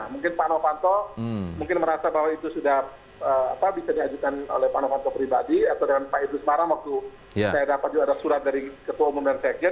mungkin pak novanto mungkin merasa bahwa itu sudah bisa diajukan oleh pak novanto pribadi atau dengan pak idrus marham waktu saya dapat juga ada surat dari ketua umum dan sekjen